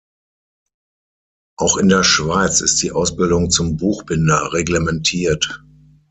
Auch in der Schweiz ist die Ausbildung zum Buchbinder reglementiert.